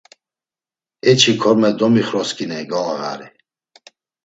“Eçi korme domixrosǩiney govağari.”